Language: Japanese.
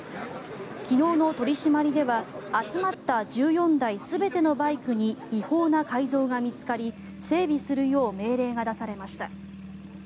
昨日の取り締まりでは集まった１４台全てのバイクに違法な改造が見つかり整備するよう命令が出されました。